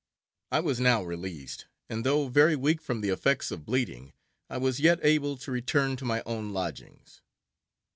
I was now released, and though very weak from the effects of bleeding, I was yet able to return to my own lodgings.